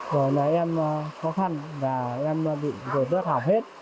rồi nãy em khó khăn và em bị rột rớt học hết